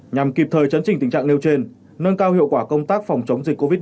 nhằm kịp thời chấn trình tình trạng nêu trên nâng cao hiệu quả công tác phòng chống dịch covid một mươi chín